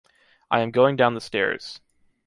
I am going down the stairs.